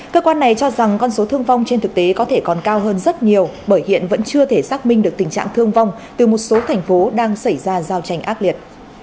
cơ quan này cho rằng con số thương vong trên thực tế có thể còn cao hơn rất nhiều bởi hiện vẫn chưa thể xác minh được tình trạng thương vong từ một số thành phố đang xảy ra giao tranh ác liệt